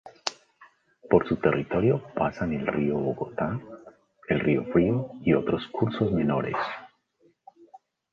Por su territorio pasan el Río Bogotá, el Río Frío, y otros cursos menores.